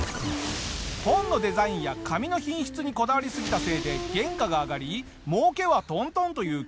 本のデザインや紙の品質にこだわりすぎたせいで原価が上がり儲けはトントンという厳しい結果に。